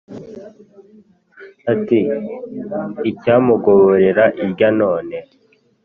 ati: “icyamungoborera irya none